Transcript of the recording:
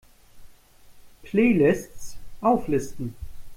Playlists auflisten!